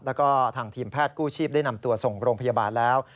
แล้วก็ทางทีมแพทย์กู้ชีพได้นำตัวส่งโรงพยาบาลแล้ว